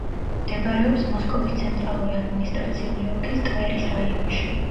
მდებარეობს მოსკოვის ცენტრალური ადმინისტრაციული ოლქის ტვერის რაიონში.